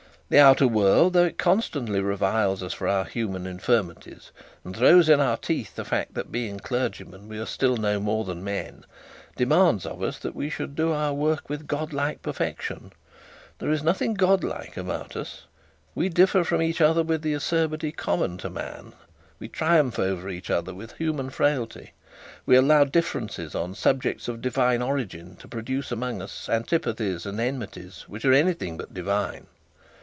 The outer world, though it constantly reviles us for our human infirmities, and throws in our teeth the fact that being clergymen we are still no more then men, demands of us that we should do our work with godlike perfection. There is nothing godlike about us: we differ from each other with the acerbity common to man we allow differences on subjects of divine origin to produce among us antipathies and enmities which are anything but divine.